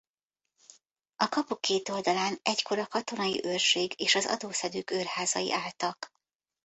A kapu két oldalán egykor a katonai őrség és az adószedők őrházai álltak.